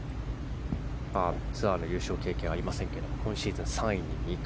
ツアーの優勝経験はありませんが今シーズン３位に２回。